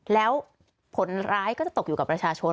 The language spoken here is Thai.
แล้วผลร้ายก็จะตกอยู่กับประชาชน